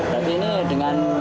tapi ini dengan